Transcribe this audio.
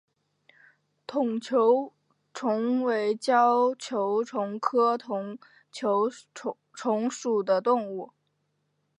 筒球虫为胶球虫科筒球虫属的动物。